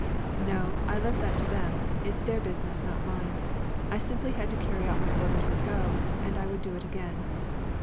"No, I left that to them. It is their business, not mine. I simply had to carry out my orders to go, and I would do it again."